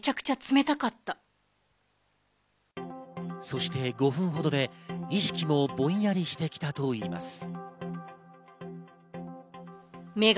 そして５分ほどで意識もぼんやりしてきたといいます。